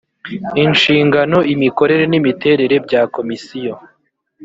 inshingano imikorere n imiterere bya komisiyo